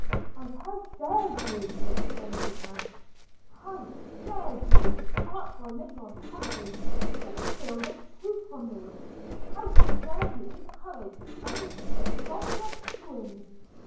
'And how dared you,' exclaimed the aunt, 'how dared you, artful little hussey, conceal the truth from me? how dared you encourage any such abominable doings?